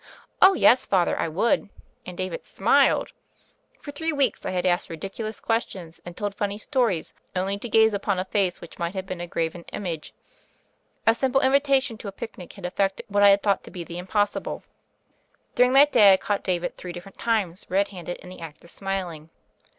"Oh, yes. Father, I would." And David smiled. For three weeks I had asked ridiculous questions, and told funny stories, only to gaze upon a face which might have been a graven image. A simple invitation to a picnic had ef fected what I had thought to be the impossible. During that day I caught David three different times red handed in the act of smiling.